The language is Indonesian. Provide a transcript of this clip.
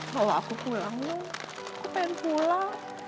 kalau aku pulang lho aku pengen pulang